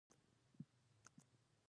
یو بل ته وخت ورکول، واده خوږوي.